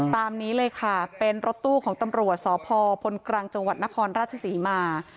ตามนี้เลยค่ะเป็นรถตู้ของตำรวจสพพลกรังจังหวัดนครราชศรีมา